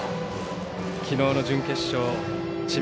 きのうの準決勝智弁